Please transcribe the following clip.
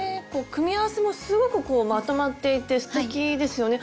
組み合わせもすごくまとまっていてすてきですよね。